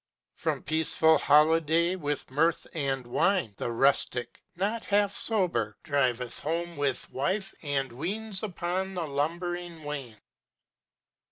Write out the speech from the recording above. From peaceful holiday with mirth and wine The rustic, not half sober, driveth home With wife and weans upon the lumbering wain.